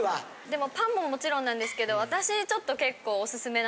でもパンももちろんなんですけど私ちょっと結構。